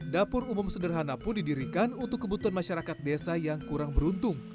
dapur umum sederhana pun didirikan untuk kebutuhan masyarakat desa yang kurang beruntung